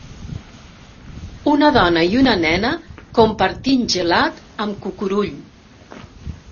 Una dona i una nena compartint gelat amb cucurull.